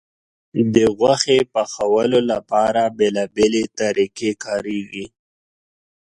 د غوښې پخولو لپاره بیلابیلې طریقې کارېږي.